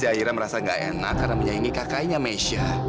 enak karena menyaingi kakainya mesya